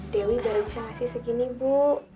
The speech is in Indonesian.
dewi baru bisa ngasih segini bu